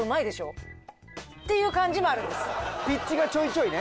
ピッチがちょいちょいね。